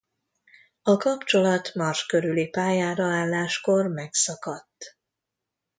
A kapcsolat Mars körüli pályára álláskor megszakadt.